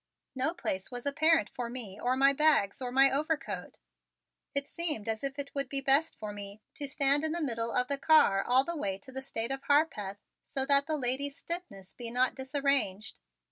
No place was apparent for me or my bags or my overcoat. It seemed as if it would be best for me to stand in the middle of the car all the way to the State of Harpeth so that the lady's stiffness be not disarranged.